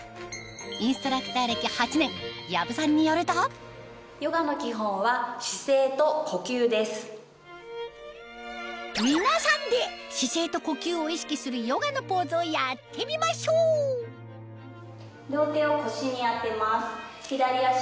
インストラクター歴８年養父さんによると皆さんで姿勢と呼吸を意識するヨガのポーズをやってみましょう当てます。